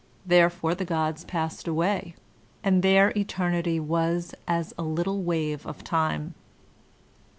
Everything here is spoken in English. Therefore the Gods passed away, and their eternity was as a little wave of time.